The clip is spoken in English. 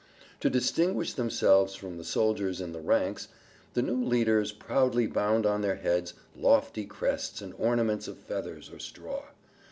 To distinguish themselves from the soldiers in the ranks, the new leaders proudly bound on their heads lofty crests and ornaments of feathers or straw.